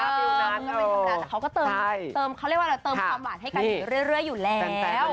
มันก็เป็นธรรมดาแต่เขาก็เติมเขาเรียกว่าอะไรเติมความหวานให้กันอยู่เรื่อยอยู่แล้ว